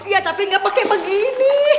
iya tapi nggak pakai begini